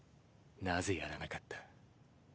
なぜやらなかった？